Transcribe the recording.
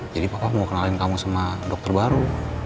jadi papa mau kenalin kamu sama dokter baru